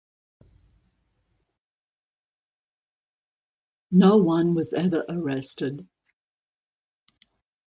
No one was ever arrested.